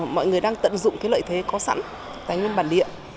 mọi người đang tận dụng cái lợi thế có sẵn tài nguyên bản địa